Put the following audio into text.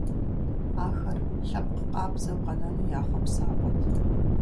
Ахэр лъэпкъ къабзэу къэнэну я хъуэпсапӀэт.